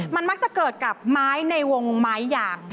มันมักจะเกิดกับไม้ในวงไม้ยาง